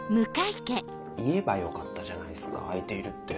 言えばよかったじゃないすか相手いるって。